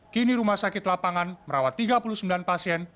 kini rumah sakit lapangan merawat tiga puluh sembilan pasien